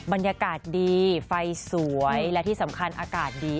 บรรยากาศดีไฟสวยและที่สำคัญอากาศดี